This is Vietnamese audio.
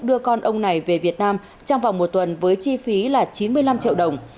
đưa con ông này về việt nam trong vòng một tuần với chi phí là chín mươi năm triệu đồng